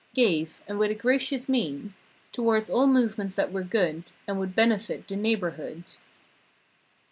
Gave, and with a gracious mien Towards all movements that were good And would benefit the neighborhood.